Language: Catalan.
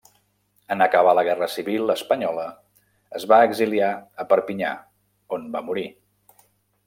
En acabar la guerra civil espanyola es va exiliar a Perpinyà, on va morir.